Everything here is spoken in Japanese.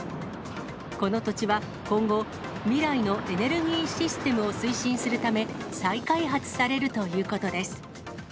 この土地は、今後、未来のエネルギーシステムを推進するため、再開発されるということです。